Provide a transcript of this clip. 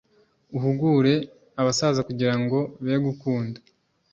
Uhugure abasaza kugira ngo be gukunda